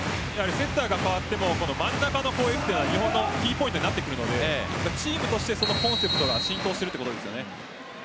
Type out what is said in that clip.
セッターが代わっても日本のキーポイントになってくるのでチームとしてコンセプトが浸透しているということです。